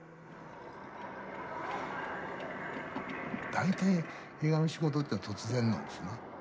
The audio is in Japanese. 大抵映画の仕事ってのは突然なんですね。